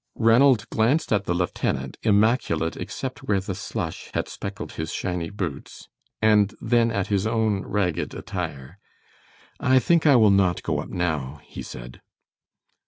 Ranald glanced at the lieutenant, immaculate except where the slush had speckled his shiny boots, and then at his own ragged attire. "I think I will not go up now," he said.